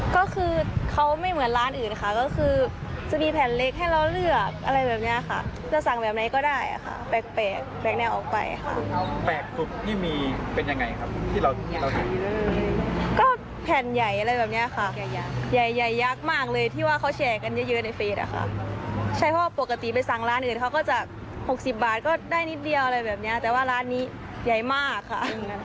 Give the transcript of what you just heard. ได้นิดเดียวอะไรแบบนี้แต่ว่าร้านนี้ใหญ่มากค่ะ